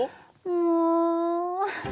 もう！